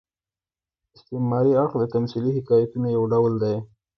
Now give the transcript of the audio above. استعاري اړخ د تمثيلي حکایتونو یو ډول دئ.